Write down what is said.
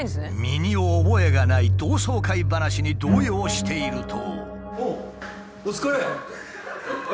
身に覚えがない同窓会話に動揺していると。